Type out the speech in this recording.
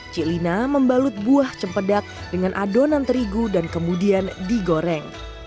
ciklina membalut buah cempedak dengan adonan terigu dan kemudian digoreng